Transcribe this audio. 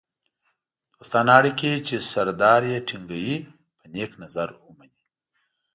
دوستانه اړیکې چې سردار یې ټینګوي په نېک نظر ومني.